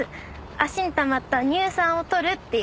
足にたまった乳酸をとるっていう。